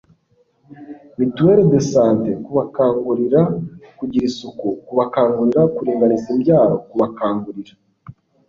mutuelle de santé, kubakangurira kugira isuku, kubakangurira kuringaniza imbyaro, kubakangurira